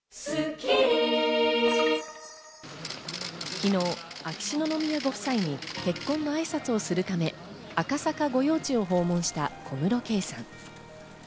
昨日、秋篠宮ご夫妻に結婚の挨拶をするため赤坂御用地を訪問した小室圭さん。